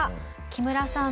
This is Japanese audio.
木村さん！